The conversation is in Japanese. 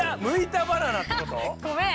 ごめん。